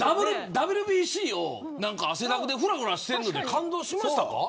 ＷＢＣを汗だくでふらふらしていて感動しましたか。